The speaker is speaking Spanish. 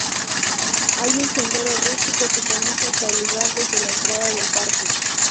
Hay un sendero rústico que conduce hasta el lugar desde la entrada del parque.